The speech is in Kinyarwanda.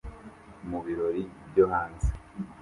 Mu birori byo hanze